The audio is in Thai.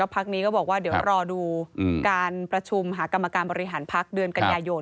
พักนี้ก็บอกว่าเดี๋ยวรอดูการประชุมหากรรมการบริหารพักเดือนกันยายน